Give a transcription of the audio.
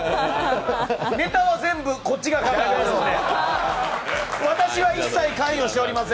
ネタは全部、こっちが考えてます！